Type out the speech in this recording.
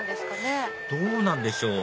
どうなんでしょう？